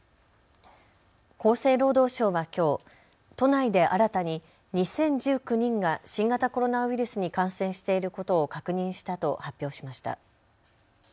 厚生労働省はきょう都内で新たに２０１９人が新型コロナウイルスに感染していることを確認したと発表しました。